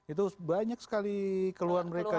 itu banyak sekali keluhan mereka